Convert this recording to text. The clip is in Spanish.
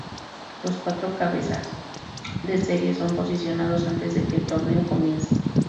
Los cuatro cabezas de serie son posicionados antes de que el torneo comience.